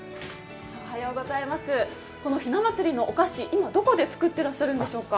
ひな祭りのお菓子、今どこで作ってらっしゃるんでしょうか？